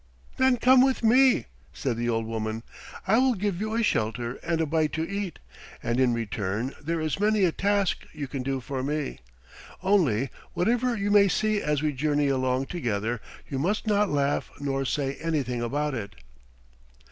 "Then come with me," said the old woman. "I will give you a shelter and a bite to eat, and in return there is many a task you can do for me. Only, whatever you may see as we journey along together you must not laugh nor say anything about it."